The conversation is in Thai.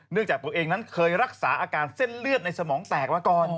เนื่องจากตัวเองเคยรักษาอาการเส้นเลือดในสมองแตก